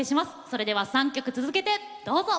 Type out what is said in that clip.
それでは３曲続けてどうぞ！